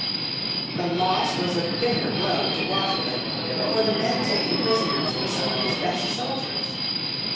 The loss was a bitter blow to Washington, for the men taken prisoners were some of his best soldiers.